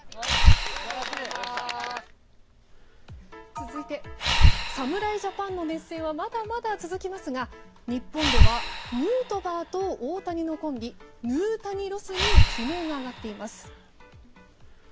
続いて侍ジャパンの熱戦はまだまだ続きますが日本ではヌートバーと大谷のコンビヌータニロスに悲鳴が上がっています。